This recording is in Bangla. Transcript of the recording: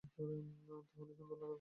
তাহলে সুন্দর লাগার কারণ কি?